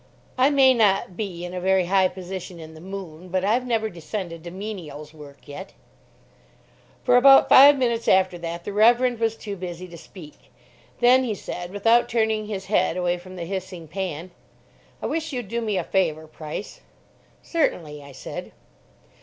I may not be in a very high position in the "Moon," but I've never descended to menial's work yet. For about five minutes after that the Reverend was too busy to speak. Then he said, without turning his head away from the hissing pan, "I wish you'd do me a favour, Price." "Certainly," I said.